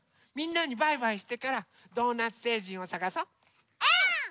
みんなにバイバイしてからドーナツせいじんをさがそう。